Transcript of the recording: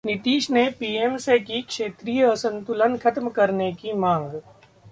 नीतीश ने पीएम से की क्षेत्रीय असंतुलन खत्म करने की मांग